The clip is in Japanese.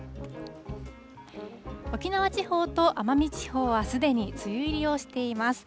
沖縄地方と奄美地方は、すでに梅雨入りをしています。